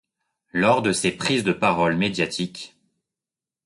Lors de ses prises de parole médiatiques.